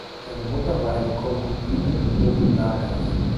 Seine Mutter war eine Konkubine Nobunagas.